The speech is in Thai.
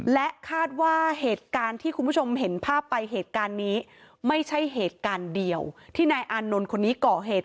และคาดว่าเหตุการณ์ที่คุณผู้ชมเห็นภาพไปเหตุการณ์นี้ไม่ใช่เหตุการณ์เดียวที่นายอานนท์คนนี้ก่อเหตุ